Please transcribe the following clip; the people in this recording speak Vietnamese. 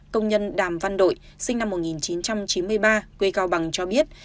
công nhân đàm văn đội sinh năm một nghìn chín trăm chín mươi ba quê cao bằng cho biết